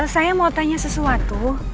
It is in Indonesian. saya mau tanya sesuatu